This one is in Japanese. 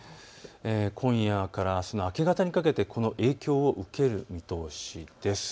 今夜からあすの明け方にかけてこの影響を受ける見通しです。